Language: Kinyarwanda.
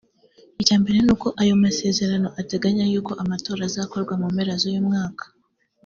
Icya mbere n’uko ayo masezerano ateganya yuko amatora azakorwa mu mpera z’uyu mwaka